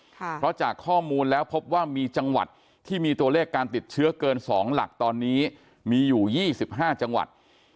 เพราะจากข้อมูลแล้วพบว่ามีจังหวัดที่มีตัวเลขการติดเชื้อเกิน๒หลักตอนนี้มีอยู่๒๕จังหวัด